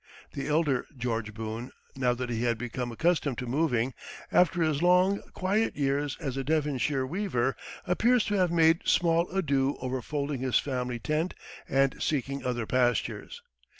The elder George Boone, now that he had become accustomed to moving, after his long, quiet years as a Devonshire weaver, appears to have made small ado over folding his family tent and seeking other pastures.